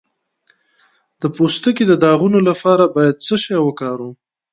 د پوستکي د داغونو لپاره باید څه شی وکاروم؟